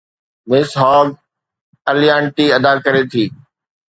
مس Hogg اليانٽي ادا ڪري ٿي